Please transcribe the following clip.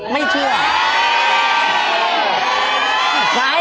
ไม่เชื่อ